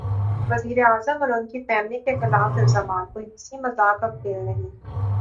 وزیر اعظم اور ان کی فیملی کے خلاف الزامات کوئی ہنسی مذاق کا کھیل نہیں۔